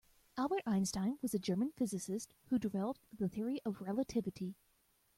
Albert Einstein was a German physicist who developed the Theory of Relativity.